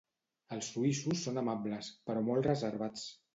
Els suïssos són amables, però molt reservats.